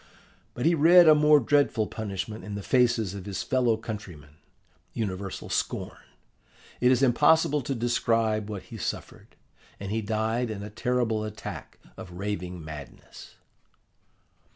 But he read a more dreadful punishment in the faces of his fellow countrymen: universal scorn. It is impossible to describe what he suffered, and he died in a terrible attack of raving madness.